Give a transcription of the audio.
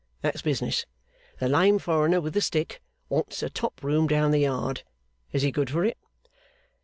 That's business. The lame foreigner with the stick wants a top room down the Yard. Is he good for it?